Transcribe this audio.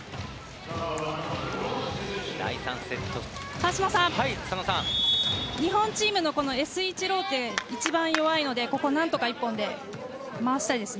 川島さん、日本チームのＳ１ローテ一番弱いのでここは１本で回したいです。